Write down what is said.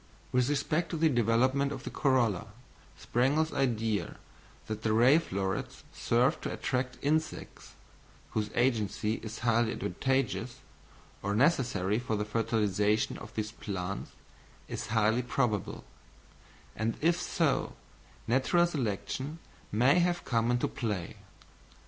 With respect to the development of the corolla, Sprengel's idea that the ray florets serve to attract insects, whose agency is highly advantageous, or necessary for the fertilisation of these plants, is highly probable; and if so, natural selection may have come into play.